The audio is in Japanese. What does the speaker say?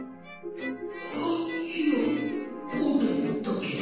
あっいや俺だけど。